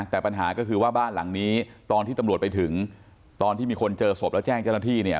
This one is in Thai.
แต่ปัญหาก็คือว่าบ้านหลังนี้ตอนที่ตำรวจไปถึงตอนที่มีคนเจอศพแล้วแจ้งเจ้าหน้าที่เนี่ย